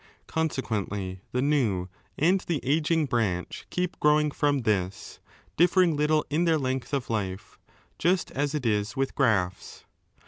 Consequently, the new and the ageing branch keep growing from this, differing little in their length of life, just as it is with grafts.